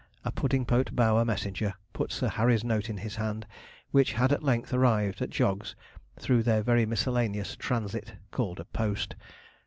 a Puddingpote Bower messenger put Sir Harry's note in his hand, which had at length arrived at Jog's through their very miscellaneous transit, called a post.